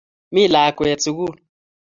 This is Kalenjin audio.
mi lakwet sugul